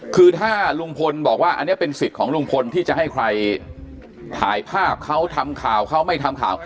คือถ้าลุงพลบอกว่าอันนี้เป็นสิทธิ์ของลุงพลที่จะให้ใครถ่ายภาพเขาทำข่าวเขาไม่ทำข่าว